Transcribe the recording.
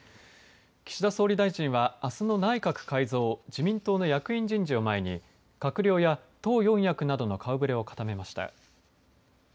岸田総理大臣はあすの内閣改造自民党の役員人事を前に閣僚や党４役などの顔ぶれを固めました。